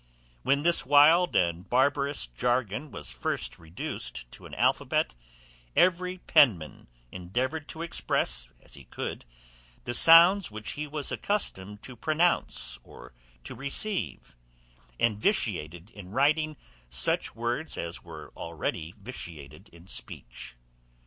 When this wild and barbarous jargon was first reduced to an alphabet, every penman endeavoured to express, as he could, the sounds which he was accustomed to pronounce or to receive, and vitiated in writing such words as were already vitiated in speech.